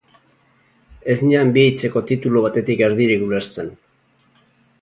Ez nian bi hitzeko titulu batetik erdirik ulertzen!